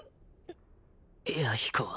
弥彦は。